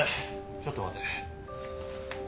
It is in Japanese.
ちょっと待て。